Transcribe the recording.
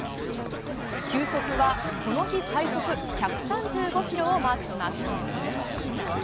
球速は、この日最速１３５キロをマークします。